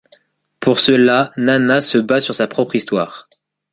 Pour cela, Nanna se base sur sa propre histoire.